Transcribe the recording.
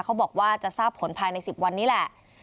เขาบอกว่าจะทราบผลภายใน๑๐วันนี้แหละ